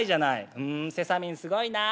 「ふんセサミンすごいなあ。